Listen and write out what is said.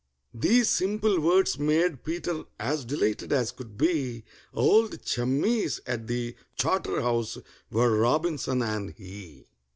These simple words made PETER as delighted as could be, Old chummies at the Charterhouse were ROBINSON and he!